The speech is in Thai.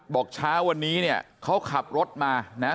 เช้าวันนี้เนี่ยเขาขับรถมานะ